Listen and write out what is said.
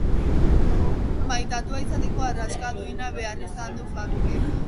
Maitatua izateko arras duina behar du izan Fabricek...!.